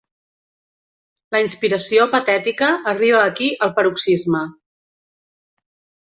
La inspiració patètica arriba aquí al paroxisme.